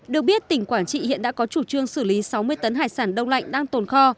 được biết tỉnh quảng trị hiện đã có chủ trương xử lý sáu mươi tấn hải sản đông lạnh đang tồn kho